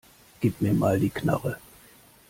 Gib mir mal die Knarre.